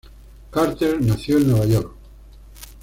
Carter nació en Nueva York.